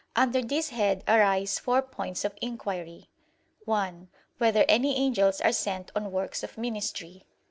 Under this head arise four points of inquiry: (1) Whether any angels are sent on works of ministry?